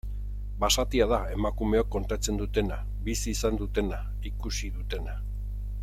Basatia da emakumeok kontatzen dutena, bizi izan dutena, ikusi dutena.